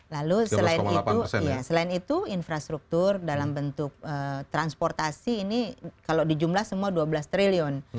lalu selain itu infrastruktur dalam bentuk transportasi ini kalau di jumlah semua dua belas triliun